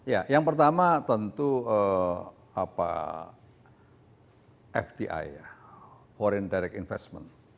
ya yang pertama tentu fdi ya foreign direct investment